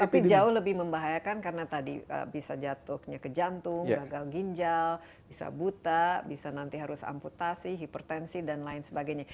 tapi jauh lebih membahayakan karena tadi bisa jatuhnya ke jantung gagal ginjal bisa buta bisa nanti harus amputasi hipertensi dan lain sebagainya